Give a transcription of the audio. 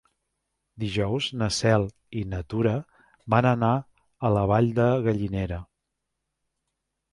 Dijous na Cel i na Tura van a la Vall de Gallinera.